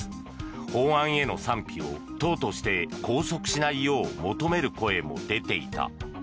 法案への賛否を党として拘束しないよう求める声も出ていた。